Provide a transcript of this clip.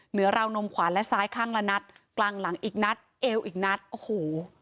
ราวนมขวานและซ้ายข้างละนัดกลางหลังอีกนัดเอวอีกนัดโอ้โห